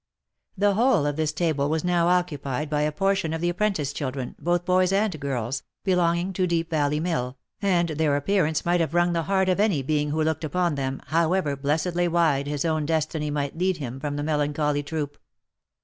The whole of this table was now occupied by a portion of the apprentice children, both boys and girls, belonging to Deep Valley Mill, and their appearance might have wrung the heart of any being who looked upon them, however blessedly wide his own destiny might lead him from the melancholy troop.